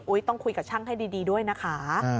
ต้องคุยกับช่างให้ดีด้วยนะคะ